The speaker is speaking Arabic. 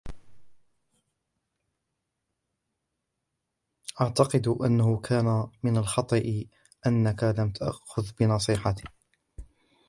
اعتقد انه كان من الخطأ أنك لم تأخذ بنصيحتي.